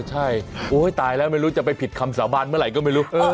ใช่โอ๊ยตายแล้วไม่รู้จะไปผิดคำสาบานเมื่อไหร่ก็ไม่รู้